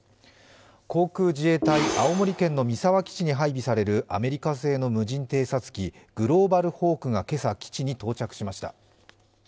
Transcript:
航空自衛隊青森県の三沢基地に配備されるアメリカ製の無人偵察機グローバルホークが今朝、基地に到着しました。